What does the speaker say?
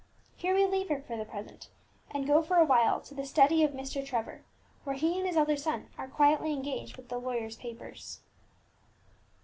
Here we leave her for the present, and go for a while to the study of Mr. Trevor, where he and his elder son are quietly engaged with the lawyer's papers.